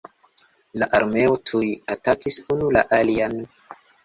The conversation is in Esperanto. La armeoj tuj atakis unu la alian.